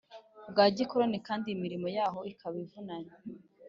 Bwa gikoroni kandi imirimo yaho ikaba ivunanye